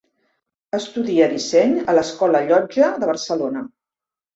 Estudia disseny a l'Escola Llotja de Barcelona.